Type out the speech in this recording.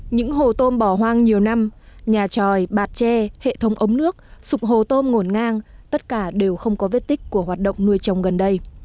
những hồ tôm bỏ hoang nhiều năm nhà tròi bạt tre hệ thống ống nước sụp hồ tôm ngổn ngang tất cả đều không có vết tích của hoạt động nuôi trồng gần đây